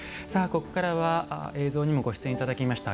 ここからは映像にもご出演いただきました